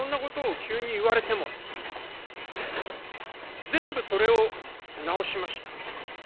そんなことを急に言われて全部それを直しました。